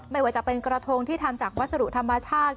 ไม่ว่าจะเป็นกระทงที่ทำจากวัสดุธรรมชาติ